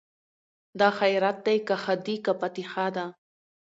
دا خیرات دی که ښادي که فاتحه ده